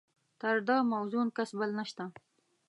تر ده موزون کس بل نشته.